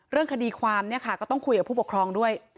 เรื่องคดีความเนี่ยค่ะก็ต้องคุยกับผู้ปกครองด้วย